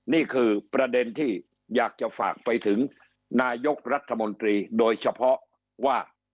นี่คือประเด็นที่อยากจะฝากไปถึงนายกรัฐมนตรีโดยเฉพาะว่า